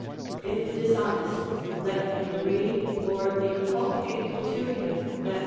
If dishonest, let him read or inculcate to him that 5.